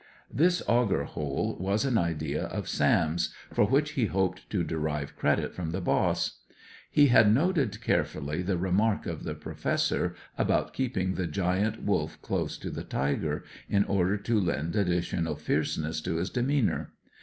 This auger hole was an idea of Sam's, for which he hoped to derive credit from the boss. He had noted carefully the remark of the Professor about keeping the Giant Wolf close to the tiger, in order to lend additional fierceness to his demeanour.